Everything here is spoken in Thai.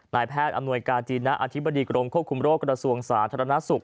นายแพทย์อำนวยกาจีนะอธิบดีกรมควบคุมโรคกระทรวงสาธารณสุข